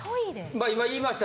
まあ今言いました。